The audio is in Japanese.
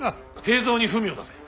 平三に文を出せ。